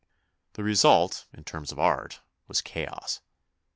The result in terms of art was chaos.